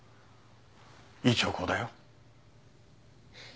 いい兆候だよ